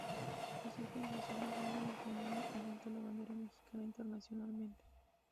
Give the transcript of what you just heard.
Los Ángeles Azules vuelven a poner en alto la bandera mexicana internacionalmente.